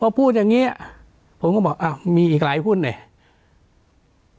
พอพูดอย่างนี้ผมก็บอกอ้าวมีอีกหลายหุ้นเนี่ย